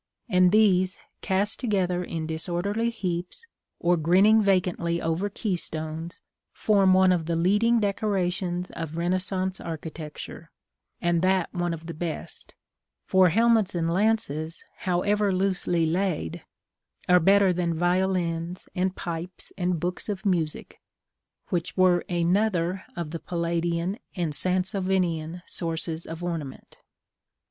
And these, cast together in disorderly heaps, or grinning vacantly over keystones, form one of the leading decorations of Renaissance architecture, and that one of the best; for helmets and lances, however loosely laid, are better than violins, and pipes, and books of music, which were another of the Palladian and Sansovinian sources of ornament.